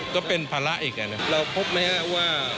ก็เป็นภาระอีกอันนั้นเราพบไหมฮะว่า